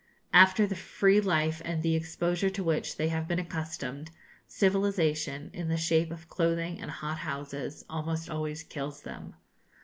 After the free life and the exposure to which they have been accustomed, civilisation in the shape of clothing and hot houses almost always kills them.